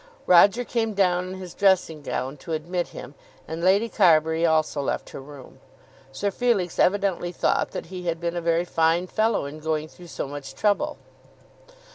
Roger came down in his dressing gown to admit him, and Lady Carbury also left her room. Sir Felix evidently thought that he had been a very fine fellow in going through so much trouble.